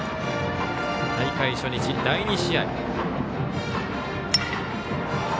大会初日、第２試合。